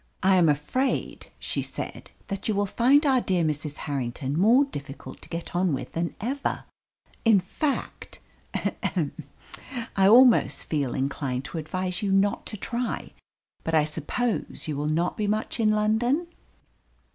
"I am afraid," she said, "that you will find our dear Mrs. Harrington more difficult to get on with than ever. In fact he, he! I almost feel inclined to advise you not to try. But I suppose you will not be much in London?"